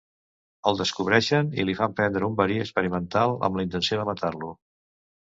El descobreixen i li fan prendre un verí experimental amb la intenció de matar-lo.